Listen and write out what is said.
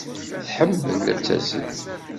Tḥemmel ad tazzel.